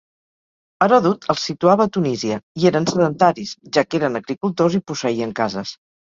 Heròdot els situava a Tunísia i eren sedentaris, ja que eren agricultors i posseïen cases.